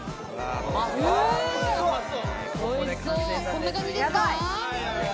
こんな感じですか？